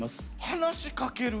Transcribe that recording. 話しかける？